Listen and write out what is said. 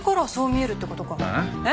「えっ？」